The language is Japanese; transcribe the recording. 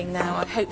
はい。